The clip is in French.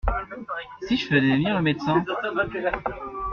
Si je faisais venir le médecin ?